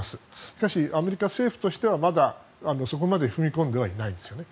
しかしアメリカ政府としてはまだそこまで踏み込んではいないですね。